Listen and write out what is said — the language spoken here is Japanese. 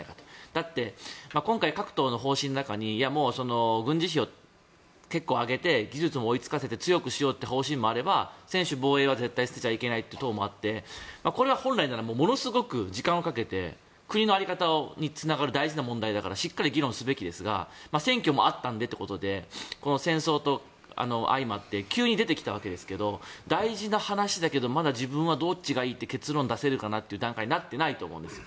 だって今回、各党の方針の中に軍事費を結構上げて技術も追いつかせて強くしようという方針もあれば専守防衛は絶対捨てちゃいけないという党もあってこれは本来ならものすごく時間をかけて国の在り方につながる大事な問題だからしっかり議論すべきですが選挙もあったのでということで戦争と相まって急に出てきたわけですけど大事な話だけどまだ自分はどっちがいいとか結論を出せるかなという段階になっていないと思うんです。